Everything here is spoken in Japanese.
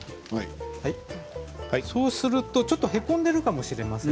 そうするとちょっとへこんでいるかもしれません。